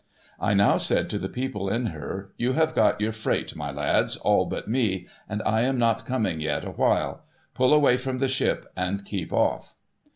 I now said to the people in her, ' You have got your freight, my lads, all but me, and I am not coming yet awhile. Pull away from the ship, and keep off!'